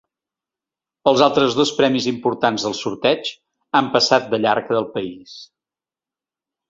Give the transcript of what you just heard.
Els altres dos premis importants del sorteig han passat de llarg del país.